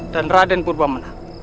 dan raden purba menak